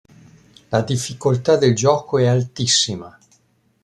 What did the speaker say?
La difficoltà del gioco è altissima.